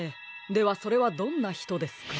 ではそれはどんなひとですか？